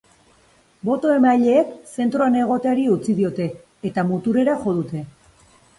Boto-emaileek zentroan egoteari utzi diote, eta muturrera jo dute.